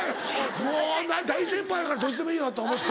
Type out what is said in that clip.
もう大先輩から「どっちでもいいよと思って」。